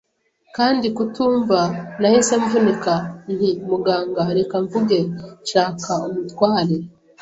kandi kutumva, nahise mvunika, nti: "Muganga, reka mvuge. Shaka umutware